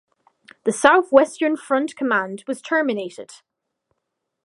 The southwestern front command was terminated.